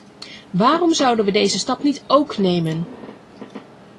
Waarom zouden we deze stap niet ook nemen?